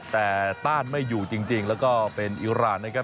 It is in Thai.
แต่ต้านไม่อยู่จริงแล้วก็เป็นอิราณนะครับ